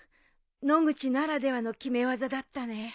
野口ならではの決め技だったね。